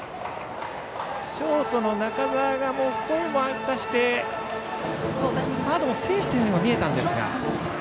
ショートの中澤が声を出してサードを制しているようにも見えたんですが。